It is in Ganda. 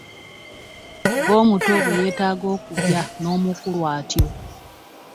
Ng'omuto bwe yeetaaga okulya n'omukulu atyo.